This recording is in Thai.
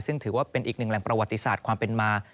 ซึ่งถือว่าเป็นอีกหนึ่งแหล่งประวัติศาสตร์ความเป็นมา